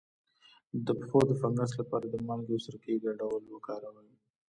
د پښو د فنګس لپاره د مالګې او سرکې ګډول وکاروئ